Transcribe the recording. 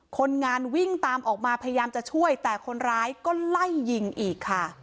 คนงานวิ่งตามออกมาพยายามจะช่วยแต่คนร้ายก็ไล่ยิงอีกค่ะ